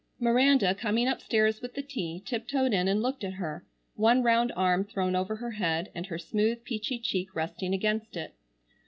Miranda, coming upstairs with the tea, tiptoed in and looked at her,—one round arm thrown over her head, and her smooth peachy cheek resting against it.